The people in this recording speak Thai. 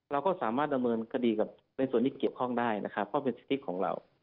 เราก็สามารถดำเนินคดีกับในส่วนที่เกี่ยวข้องได้นะครับเพราะเป็นสติ๊กของเรา